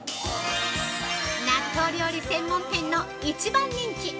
◆納豆料理専門店の一番人気！